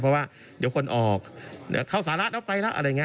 เพราะว่าเดี๋ยวคนออกเดี๋ยวเข้าสาระแล้วไปนะอะไรอย่างนี้